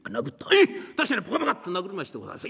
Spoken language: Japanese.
ええ確かにポカポカッと殴りましてございます。